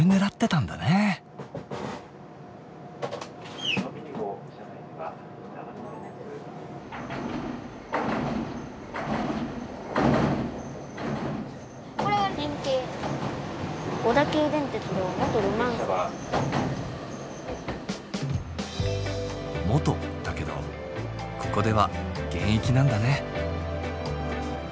「元」だけどここでは現役なんだね。